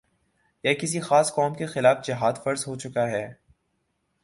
یا کسی خاص قوم کے خلاف جہاد فرض ہو چکا ہے